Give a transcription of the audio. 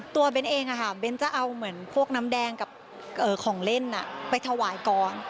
เบ้นเองเบ้นจะเอาเหมือนพวกน้ำแดงกับของเล่นไปถวายก่อน